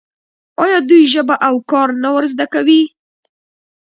آیا دوی ژبه او کار نه ور زده کوي؟